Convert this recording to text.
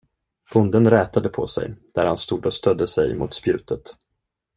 Bonden rätade på sig, där han stod och stödde sig mot spjutet.